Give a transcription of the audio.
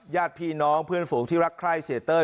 ญาติพี่น้องเพื่อนฝูงที่รักใคร้เสียเต้ย